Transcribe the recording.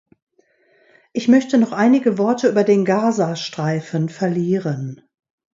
Ich möchte noch einige Worte über den Gaza-Streifen verlieren.